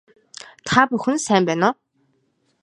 Та бүхэн сайн байна уу